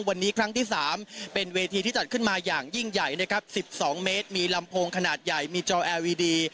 วันนี้ครั้งที่๓เป็นเวทีที่จัดขึ้นมาอย่างยิ่งใหญ่นะครับ๑๒เมตรมีลำโพงขนาดใหญ่มีจอแอร์วีดี